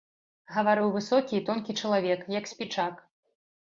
Гаварыў высокі і тонкі чалавек, як спічак.